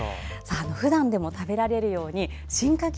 ふだんでも食べられるように進化形